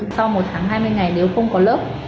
sau một tháng hai mươi ngày nếu không có lớp